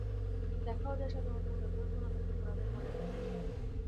দেখাও যায়, সাধারণত উদার পুরুষগণ অপেক্ষা গোঁড়াদের মনের তেজ বেশী।